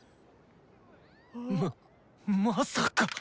ままさか。